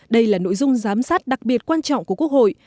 đây là nội dung giám sát đặc biệt quan trọng của quốc hội